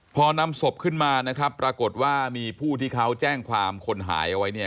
พอนำศพขึ้นมานะครับปรากฏว่ามีผู้ที่เขาแจ้งความคนหายเอาไว้เนี่ย